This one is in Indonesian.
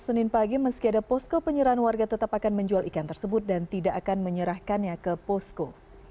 senin pagi meski ada posko penyerahan warga tetap akan menjual ikan tersebut dan tidak akan menyerahkannya ke posko